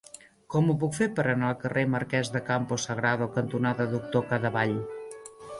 Com ho puc fer per anar al carrer Marquès de Campo Sagrado cantonada Doctor Cadevall?